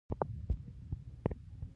دارچینی د ونې پوستکی دی